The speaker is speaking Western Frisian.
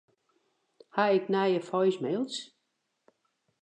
Ha ik nije voicemails?